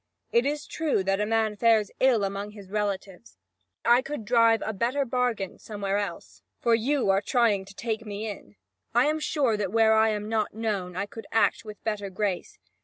It is true that a man fares ill among his relatives: I could drive a better bargain somewhere else, for you are trying to take me in. I am sure that where I am not known, I could act with better grace.